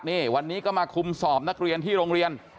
นี่วันนี้ก็มาคุมสอบนักเรียนที่โรงเรียน